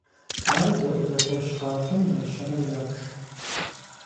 Ар зэӀузэпэщ гъащӀэм и нэщэнэу ябж.